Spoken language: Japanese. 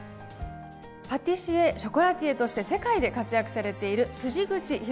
パティシエショコラティエとして世界で活躍されている口博啓さんです。